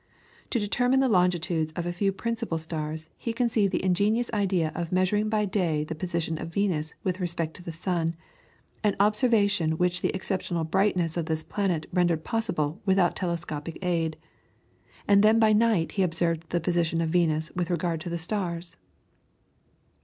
To determine the longitudes of a few principal stars he conceived the ingenious idea of measuring by day the position of Venus with respect to the sun, an observation which the exceptional brightness of this planet rendered possible without telescopic aid, and then by night he observed the position of Venus with regard to the stars.